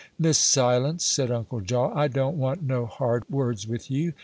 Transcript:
"Miss Silence," said Uncle Jaw, "I don't want no hard words with you.